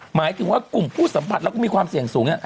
หมายถึงว่ากลุ่มผู้สัมผัสแล้วก็มีความเสี่ยงสูง